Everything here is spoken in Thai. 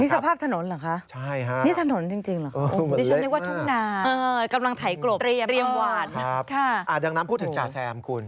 นี่สภาพถนนเหรอคะนี่ถนนจริงเหมือนว่าทุ่มนานตรงนั้นพูดถึงจ่าแซมคุณ